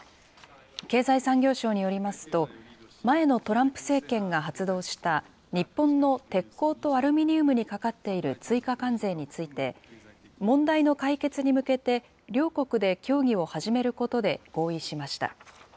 経済産業省によりますと、前のトランプ政権が発動した日本の鉄鋼とアルミニウムにかかっている追加関税について、問題の解決に向けて両国で協議を始めることで合意しました。